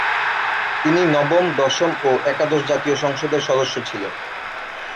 তিনি নবম, দশম ও একাদশ জাতীয় সংসদের সদস্য ছিলেন।